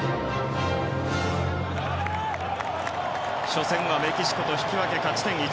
初戦はメキシコと引き分け勝ち点１。